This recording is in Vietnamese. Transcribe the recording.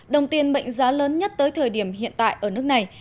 đồng tiền mệnh giá lớn nhất tới thời điểm hiện tại ở nước này